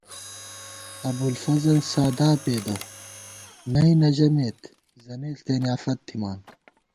ابُوالفضل سادا پېدہ نئ نہ ژَمېت، زنېݪ تېنیافت تھِمان